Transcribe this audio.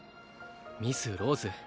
ミスローズ